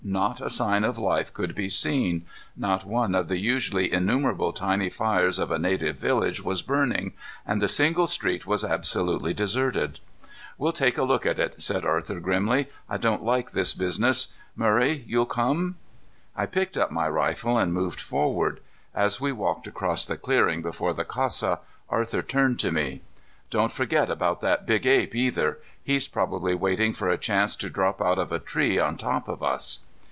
Not a sign of life could be seen. Not one of the usually innumerable tiny fires of a native village was burning, and the single street was absolutely deserted. "We'll take a look at it," said Arthur grimly. "I don't like this business. Murray, you'll come?" I picked up my rifle and moved forward. As we walked across the clearing before the casa, Arthur turned to me. "Don't forget about that big ape, either. He's probably waiting for a chance to drop out of a tree on top of us."